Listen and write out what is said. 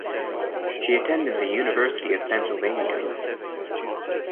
She attended the University of Pennsylvania.